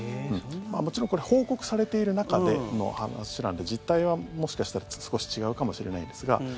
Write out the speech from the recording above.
もちろん、これ報告されている中での話なので実態はもしかしたら少し違うかもしれないですが。